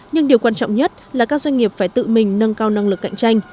nhưng điều quan trọng nhất là các doanh nghiệp phải tự mình nâng cao năng lực cạnh tranh